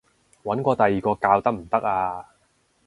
搵過第二個教得唔得啊？